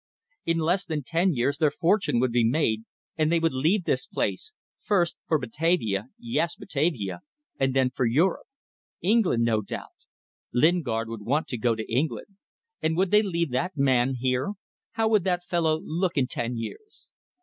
In less than ten years their fortune would be made and they would leave this place, first for Batavia yes, Batavia and then for Europe. England, no doubt. Lingard would want to go to England. And would they leave that man here? How would that fellow look in ten years?